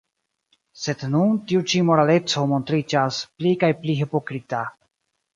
Sed nun tiu ĉi moraleco montriĝas pli kaj pli hipokrita.